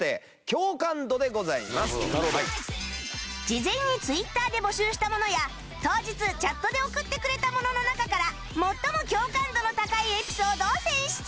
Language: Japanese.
事前に Ｔｗｉｔｔｅｒ で募集したものや当日チャットで送ってくれたものの中から最も共感度の高いエピソードを選出